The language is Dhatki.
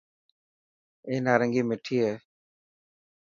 اي نارنگي مٺي هي.